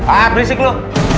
ah berisik lu